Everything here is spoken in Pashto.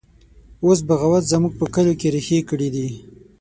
اوس بغاوت زموږ په کلو کې ریښې کړي دی